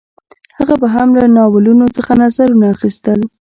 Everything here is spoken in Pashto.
هغه به هم له ناولونو څخه نظرونه اخیستل